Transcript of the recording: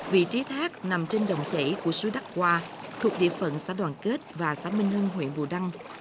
vị trí thác nằm trên dòng chảy của suối đắc qua thuộc địa phận xã đoàn kết và xã minh hưng huyện bù đăng